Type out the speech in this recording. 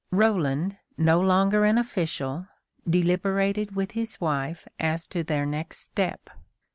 Roland, no longer an official, deliberated with his wife as to their next step.